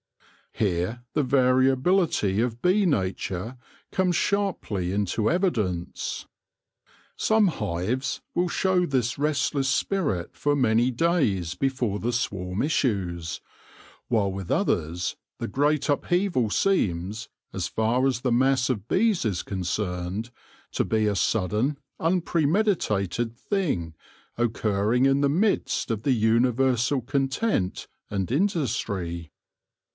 Here the variability of bee nature comes sharply into evidence. Some hives will show this restless spirit for many days before the swarm issues, while with others the great upheaval seems, as far as the mass of bees is concerned, to be a sudden unpremeditated thing occurring in the midst of the universal content and 124 THE LORE OF THE HONEY BEE industry.